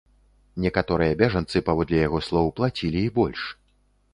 Некаторыя бежанцы, паводле яго слоў, плацілі і больш.